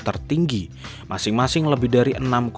tertinggi masing masing lebih dari